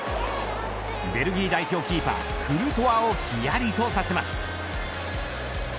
ベルギー代表キーパークルトワをひやりとさせます。